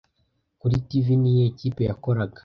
Kuri TV niyihe kipe yakoraga